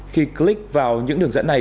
khi click vào những đường dẫn này